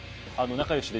仲良しで。